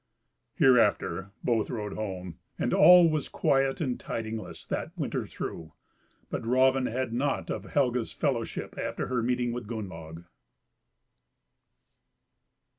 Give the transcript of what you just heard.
Hereafter both rode home, and all was quiet and tidingless that winter through; but Raven had nought of Helga's fellowship after her meeting with Gunnlaug.